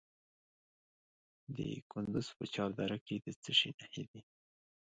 د کندز په چهار دره کې د څه شي نښې دي؟